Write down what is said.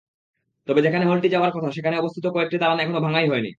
তবে যেখানে হলটি হওয়ার কথা সেখানে অবস্থিত কয়েকটি দালান এখনো ভাঙাই হয়নি।